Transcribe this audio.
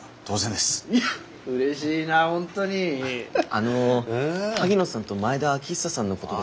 あの萩野さんと前田秋寿さんのことですけど。